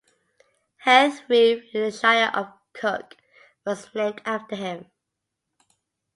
Heath Reef in the Shire of Cook was named after him.